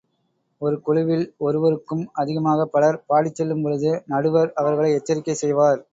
ஒரு குழுவில் ஒருவருக்கும் அதிகமாகப் பலர் பாடிச்செல்லும்பொழுது, நடுவர் அவர்களை எச்சரிக்கை செய்வார்.